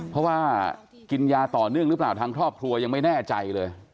เพราะว่ากินยาต่อเนื่องหรือเปล่าทางครอบครัวยังไม่แน่ใจเลย